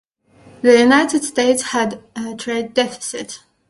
The United States had a trade deficit.